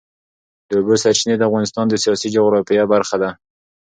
د اوبو سرچینې د افغانستان د سیاسي جغرافیه برخه ده.